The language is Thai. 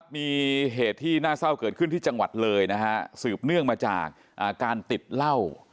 มีเหตุที่น่าเศร้าเกิดขึ้นที่จังหวัดเลยนะฮะสืบเนื่องมาจากการติดเหล้า